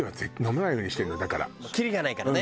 きりがないからね。